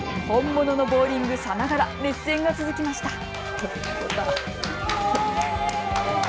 本物のボウリングさながら熱戦が続きました。